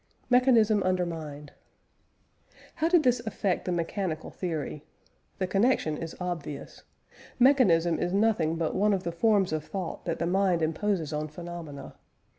MECHANISM UNDERMINED. How did this affect the mechanical theory? The connection is obvious. Mechanism is nothing but one of the forms of thought that the mind imposes on phenomena.